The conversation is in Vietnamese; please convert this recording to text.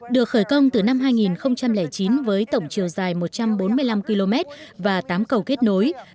được khởi công từ năm hai nghìn chín với tổng chiều dài một trăm bốn mươi năm km và tám cầu kết nối